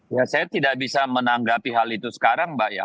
ya saya tidak bisa menanggapi hal itu sekarang mbak ya